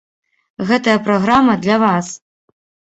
Гэтая праграма для вас!